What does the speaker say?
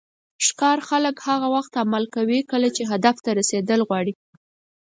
ښکار خلک هغه وخت عمل کوي کله چې خپل هدف ته رسیدل غواړي.